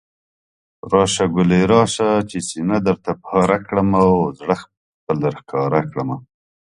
راشه ګلي راشه، چې سينه درته پاره کړمه، زړه خپل درښکاره کړمه